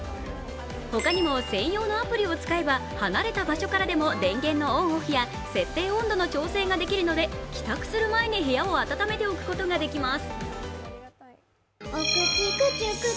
他にも専用のアプリを使えば離れた場所からでも電源のオン・オフや設定温度の調整ができるので帰宅する前に部屋を暖めてくことができます。